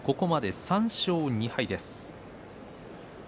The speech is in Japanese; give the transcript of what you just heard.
ここまで３勝２敗です。